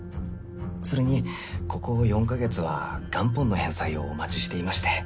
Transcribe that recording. それにここ４か月は元本の返済をお待ちしていまして。